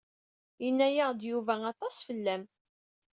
Yenna-aɣ-d Yuba aṭas fell-am.